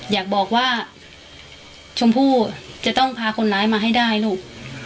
อยากบอกว่าชมพู่จะต้องพาคนร้ายมาให้ได้ลูก